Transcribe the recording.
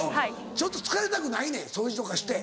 ちょっと疲れたくないねん掃除とかして。